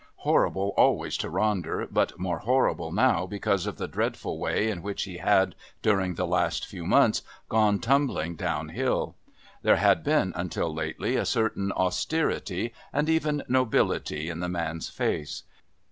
Horrible always to Ronder, but more horrible now because of the dreadful way in which he had, during the last few months, gone tumbling downhill. There had been, until lately, a certain austerity and even nobility in the man's face.